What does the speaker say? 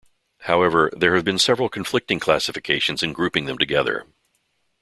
However, there have been several conflicting classifications in grouping them together.